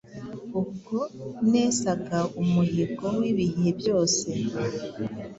Ubwo nesaga umuhigo w’ibihe byose